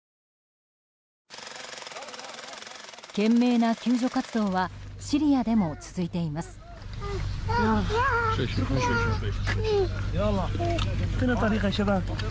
懸命な救助活動はシリアでも続いています。